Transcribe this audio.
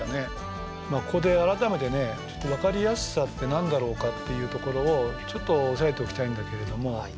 まあここで改めてね分かりやすさって何だろうかっていうところをちょっと押さえておきたいんだけれども。